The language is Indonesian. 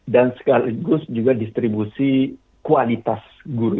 dan sekaligus juga distribusi kualitas guru